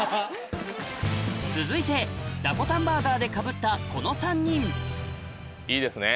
続いてダコタンバーガーでかぶったこの３人いいですね？